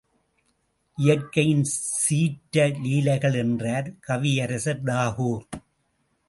இயற்கையின் சீற்ற லீலைகள் என்றார் கவியரசர் தாகூர்.